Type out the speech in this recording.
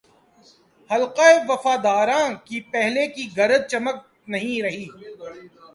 حلقۂ وفاداران کی پہلے کی گرج چمک نہیںرہی۔